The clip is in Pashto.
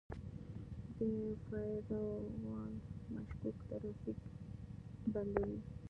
دا فایروال مشکوک ترافیک بندوي.